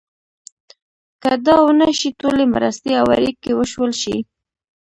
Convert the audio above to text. که دا ونه شي ټولې مرستې او اړیکې وشلول شي.